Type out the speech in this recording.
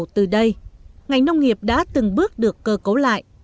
từ đây ngành nông nghiệp đã từng bước được cơ cấu lại